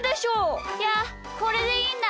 いやこれでいいんだ。